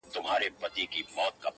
ما نیولې نن ده بس روژه د محبت په نوم-